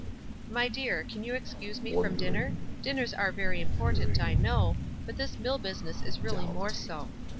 "My dear, can you excuse me from dinner? Dinners are very important, I know, but this mill business is really more so.